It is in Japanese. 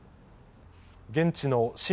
現地の親